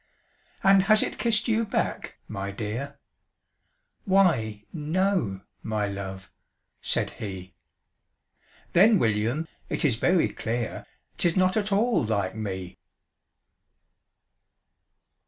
"And has it kissed you back, my dear?" "Why no my love," said he. "Then, William, it is very clear 'Tis not at all LIKE ME!"